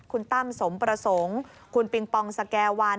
คุณตั้มสมประสงค์คุณปิงปองสแก่วัน